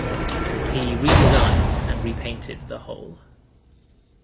He redesigned and repainted the whole.